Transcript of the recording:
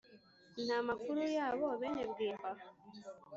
nta makuru y’abo benebwimba’